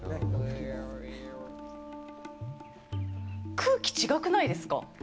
空気違くないですか？